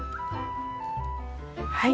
はい。